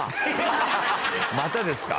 またですか。